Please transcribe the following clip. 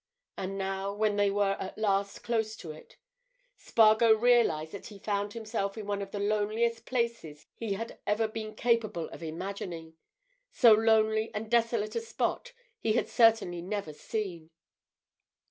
And now when they were at last close to it, Spargo realized that he found himself in one of the loneliest places he had ever been capable of imagining—so lonely and desolate a spot he had certainly never seen.